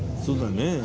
そうだね。